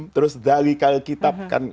terus dhaliqal kitab